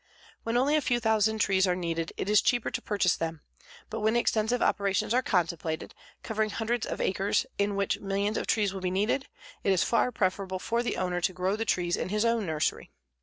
When only a few thousand trees are needed it is cheaper to purchase them, but when extensive operations are contemplated, covering hundreds of acres in which millions of trees will be needed, it is far preferable for the owner to grow the trees in his own nursery.